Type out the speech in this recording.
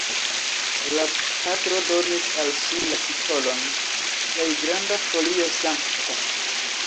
La patro donis al ŝi la titolon "Plejgranda Folio Sankta".